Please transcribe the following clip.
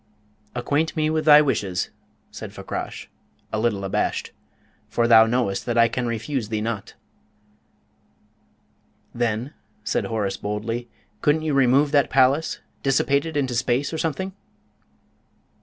"Acquaint me with thy wishes," said Fakrash, a little abashed, "for thou knowest that I can refuse thee naught." "Then," said Horace, boldly, "couldn't you remove that palace dissipate it into space or something?"